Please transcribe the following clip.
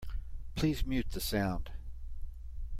Please mute the sound.